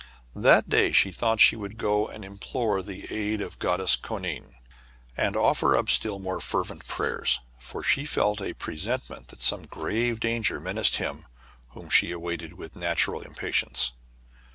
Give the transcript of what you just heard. That day she thought she would go and implore aid of the Goddess Koanine, and offer up still more fervent prayers ; for she felt a presentiment that some grave danger menaced him whom she awaited with natural impatience.